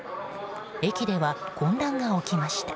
駅では混乱が起きました。